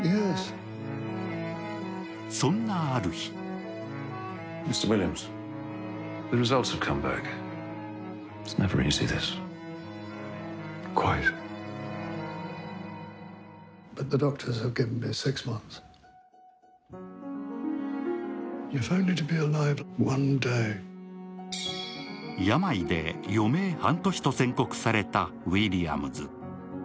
そんな、ある日病で余命半年と宣告されたウィリアムズ。